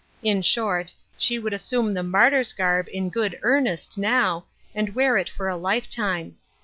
In short, she would assume the martyr's garb in good earnest now, and wear it for a lifetime.